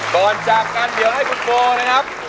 ก่อนจากกันเดี๋ยวให้คุณโบนะครับ